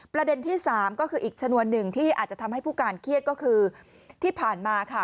ประเด็นที่สามก็คืออีกชนวนหนึ่งที่อาจจะทำให้ผู้การเครียดก็คือที่ผ่านมาค่ะ